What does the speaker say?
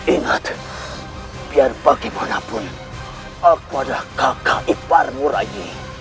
ingat biar bagaimanapun aku adalah kakak iparmu lagi